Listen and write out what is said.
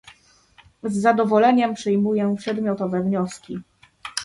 Z zadowoleniem przyjmuję przedmiotowe wnioski